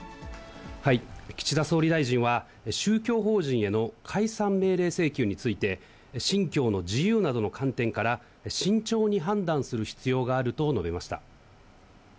岸田総理大臣は、宗教法人への解散命令請求について、信教の自由などの観点から、慎重に判断する必要があると述べました。